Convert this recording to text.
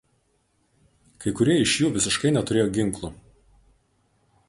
Kai kurie iš jų visiškai neturėjo ginklų.